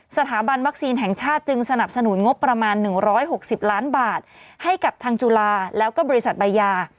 สถาบันวัคซีนแห่งชาติจึงสนับสนุนงบประมาณ๑๖๐ล้านบาทให้กับทางจุฬาแล้วก็บริษัทใบยา